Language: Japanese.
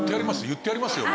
言ってやりますよ